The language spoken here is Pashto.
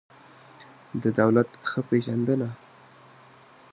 د دولت ښه پېژندنه